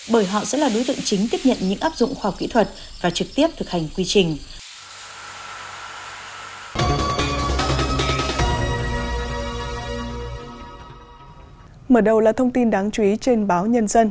bởi họ sẽ là đối tượng chính tiếp nhận những áp dụng khoa học kỹ thuật và trực tiếp thực hành quy trình